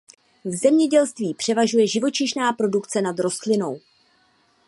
V zemědělství převažuje živočišná produkce nad rostlinnou.